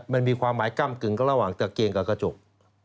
มันมีความหมายก้ำกึ่งระหว่างตะเกงกับกระจก